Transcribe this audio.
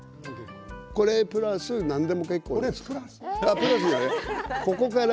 これプラス何でも結構ですから。